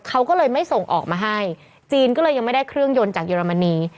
เขาก็เลยไม่ส่งออกมาให้จีนก็เลยยังไม่ได้เครื่องยนต์จากเยอรมนี